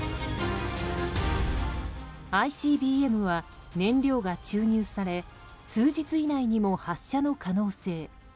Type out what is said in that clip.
ＩＣＢＭは燃料が注入され数日以内にも発射の可能性。